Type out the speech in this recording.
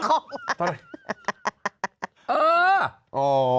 เออ